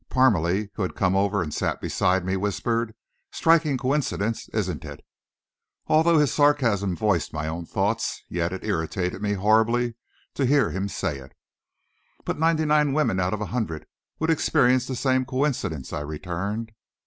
Parmalee, who had come over and sat beside me, whispered: "Striking coincidence, isn't it?" Although his sarcasm voiced my own thoughts, yet it irritated me horribly to hear him say it. "But ninety nine women out of a hundred would experience the same coincidence," I returned.